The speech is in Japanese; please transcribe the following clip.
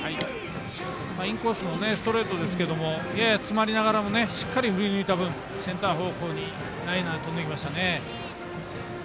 インコースのストレートですけれどもやや詰まりながらもしっかり振り抜いた分センター方向にライナー、飛んでいきましたね。